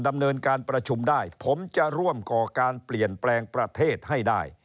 ดำเนินการประชุมได้ผมจะร่วมก่อการเปลี่ยนแปลงประเทศให้ได้